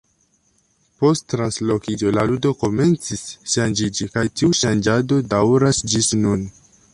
Post translokiĝo la ludo komencis ŝanĝiĝi, kaj tiu ŝanĝado daŭras ĝis nun.